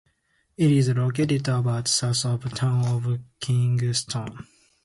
It is located about south of the town of Kingston.